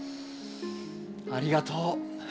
ありがとう。